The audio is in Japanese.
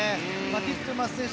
ティットマス選手